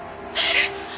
えっ！